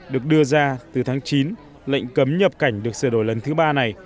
được đưa ra từ tháng chín lệnh cấm nhập cảnh được sửa đổi lần thứ ba này